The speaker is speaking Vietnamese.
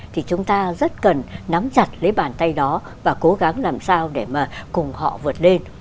thì chúng ta rất cần nắm chặt lấy bàn tay đó và cố gắng làm sao để mà cùng họ vượt lên